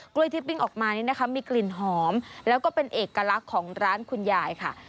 กล้วยทิปปิ้งออกมามีกลิ่นหอมแล้วก็เป็นเอกลักษณ์ของร้านคุณยายค่ะ